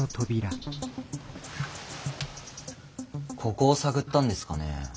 ここを探ったんですかね。